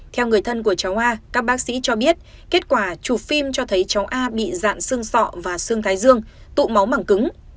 theo người thân của cháu a các bác sĩ cho biết kết quả chụp phim cho thấy cháu a bị dạn xương sọ và xương thái dương tụ máu mảng cứng